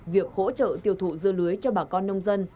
việc hỗ trợ tiêu thụ dưa lưới cho bà con nông dân